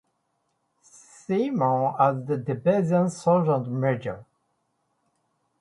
Seaman, as the Division Sergeant Major.